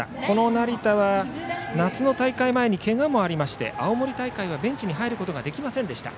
成田は、夏の大会前にけがもありまして、青森大会はベンチに入ることができませんでした。